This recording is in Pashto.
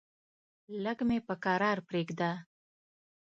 لږ مې په کرار پرېږده!